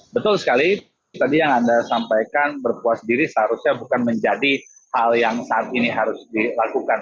betul sekali tadi yang anda sampaikan berpuas diri seharusnya bukan menjadi hal yang saat ini harus dilakukan